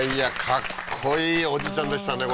かっこいいおじいちゃんでしたね